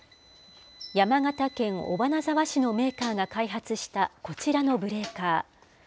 山形県尾花沢市のメーカーが開発した、こちらのブレーカー。